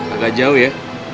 agak jauh ya